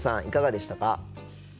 いかがでしたか？